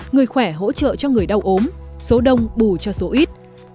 người khỏe hỗ trợ cho người đau ốm số đông bù cho số ít